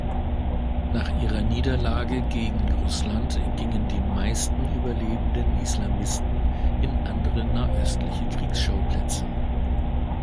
Nach ihrer Niederlage gegen Russland gingen die meisten überlebenden Islamisten in andere nahöstliche Kriegsschauplätze.